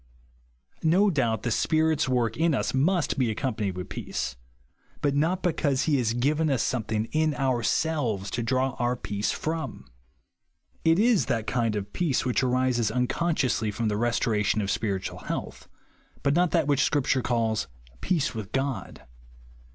No doubt the Spirit's work in us must be accompanied with peace ; but not because he has iiiven us somethiuG; in ourselves to draw our peace from. It is that kind of peace which arises unconsciously from the 24i man's own character restoration of sj)iritual health ; but not that which Scripture calls " peace with GoJ."